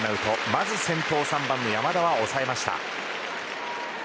まず先頭、３番の山田は抑えました。